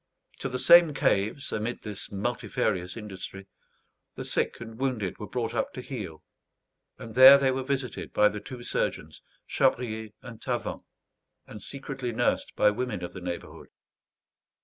To the same caves, amid this multifarious industry, the sick and wounded were brought up to heal; and there they were visited by the two surgeons, Chabrier and Tavan, and secretly nursed by women of the neighbourhood.